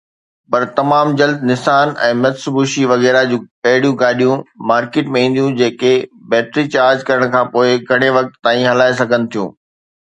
پر تمام جلد نسان ۽ مٽسوبشي وغيره جون اهڙيون گاڏيون مارڪيٽ ۾ اينديون جيڪي بيٽري چارج ڪرڻ کانپوءِ گهڻي وقت تائين هلائي سگهن ٿيون.